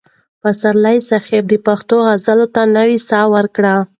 پسرلي صاحب د پښتو غزل ته نوې ساه ورکړه.